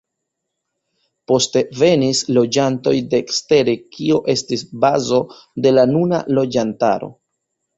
Poste venis loĝantoj de ekstere kio estis bazo de la nuna loĝantaro.